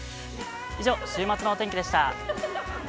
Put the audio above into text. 以上、週末のお天気でした。